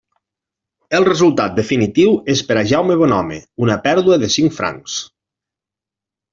El resultat definitiu és per a Jaume Bonhome una pèrdua de cinc francs.